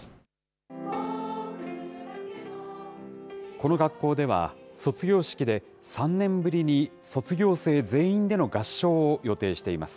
この学校では、卒業式で３年ぶりに卒業生全員での合唱を予定しています。